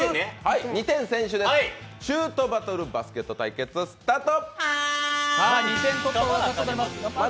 ２点先取です、「シュートバトルバスケット」対決スタート。